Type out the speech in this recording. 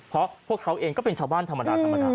เพราะพวกเขาเองก็เป็นชาวบ้านธรรมดาธรรมดา